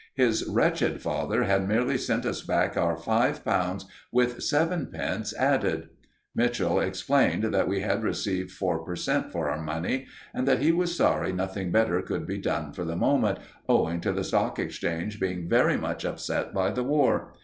His wretched father had merely sent us back our five pounds with sevenpence added! Mitchell explained that we had received four per cent. for our money, and that he was sorry nothing better could be done for the moment, owing to the Stock Exchange being very much upset by the War.